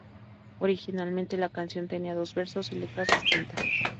Originalmente la canción tenía dos versos y letras distintas.